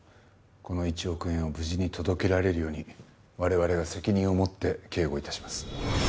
この１億円を無事に届けられるように我々が責任を持って警護致します。